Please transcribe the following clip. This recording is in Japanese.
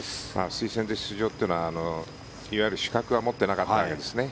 推薦で出場というのはいわゆる資格は持っていなかったわけですね。